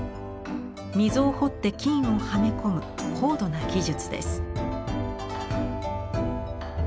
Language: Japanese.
溝を掘って金をはめ込む高度な技術です。